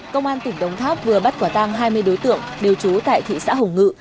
công an tỉnh đồng tháp vừa bắt quả tang hai mươi đối tượng đều trú tại thị xã hồng ngự